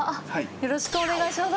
よろしくお願いします。